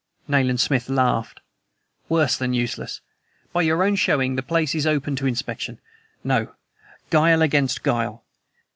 Nayland Smith laughed. "Worse than useless! By your own showing, the place is open to inspection. No; guile against guile!